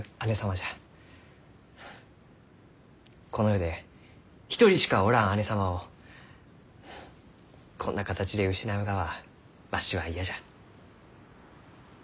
この世で一人しかおらん姉様をこんな形で失うがはわしは嫌じゃ。